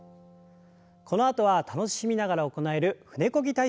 このあとは楽しみながら行える舟こぎ体操です。